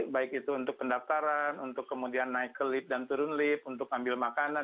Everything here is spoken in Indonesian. baik itu untuk pendaftaran untuk kemudian naik ke lift dan turun lift untuk ambil makanan